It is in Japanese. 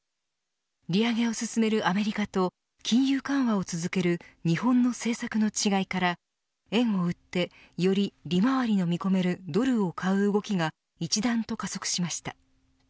利上げを進めるアメリカと金融緩和を続ける日本の政策の違いから円を売ってより利回りの見込めるドルを買う動きが一段と加速しました。